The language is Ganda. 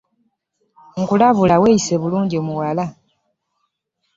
Nkulabula weyise bulungi muwala.